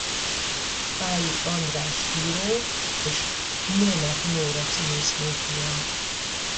Pályi András író és Németh Nóra színésznő fia.